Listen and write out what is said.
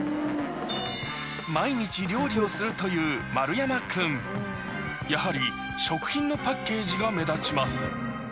毎日料理をするという丸山君やはり食品のパッケージが目立ちます